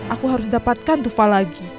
aku harus dapatkan tufa lagi